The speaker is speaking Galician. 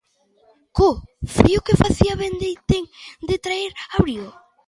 Co frío que facía, ben deitei de traer abrigo.